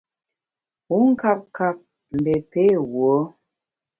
Wu nkap kap, mbé pé wuo ?